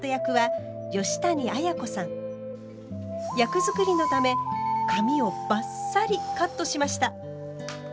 役作りのため髪をバッサリカットしました！